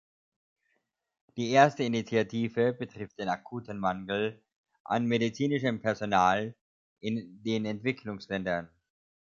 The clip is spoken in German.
Die erste Initiative betrifft den akuten Mangel an medizinischem Personal in den Entwicklungsländern.